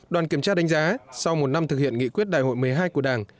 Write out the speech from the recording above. đoàn kiểm tra đánh giá sau một năm thực hiện nghị quyết đại hội một mươi hai của đảng